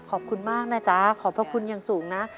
ขอบคุณมากนะจ๊ะขอบพระคุณอย่างสูงนะ